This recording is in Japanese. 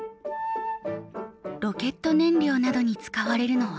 ロケット燃料などに使われるのは？